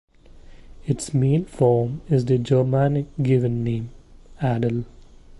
Its male form is the Germanic given name Adel.